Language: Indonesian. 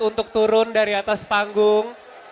untuk turun dariatas panggung